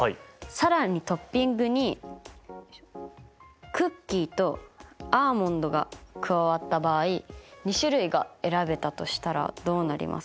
更にトッピングにクッキーとアーモンドが加わった場合２種類が選べたとしたらどうなりますか？